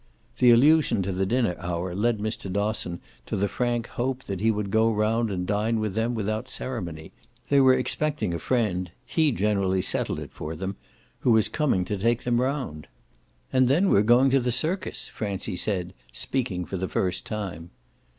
The allusion to the dinner hour led Mr. Dosson to the frank hope that he would go round and dine with them without ceremony; they were expecting a friend he generally settled it for them who was coming to take them round. "And then we're going to the circus," Francie said, speaking for the first time.